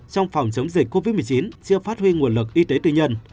trong phòng chống dịch covid một mươi chín chưa phát huy nguồn lực y tế tư nhân